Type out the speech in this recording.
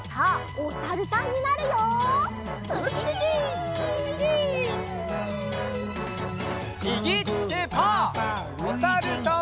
おさるさん。